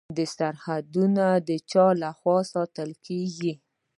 سرحدونه چا لخوا ساتل کیږي؟